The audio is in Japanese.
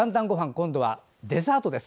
今度はデザートです。